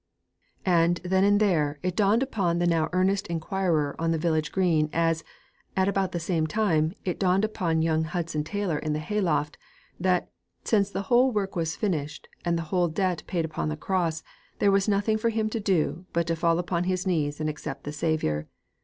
And, then and there, it dawned upon the now earnest inquirer on the village green as, at about the same time, it dawned upon young Hudson Taylor in the hay loft, that '_since the whole work was finished and the whole debt paid upon the Cross, there was nothing for him to do but to fall upon his knees and accept the Saviour_.'